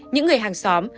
những người hàng xóm